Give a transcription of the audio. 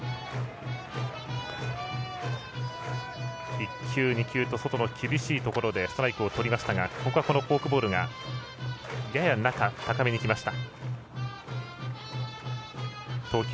１球、２球と外の厳しいところでストライクをとりましたがフォークボールがやや中高めにきました。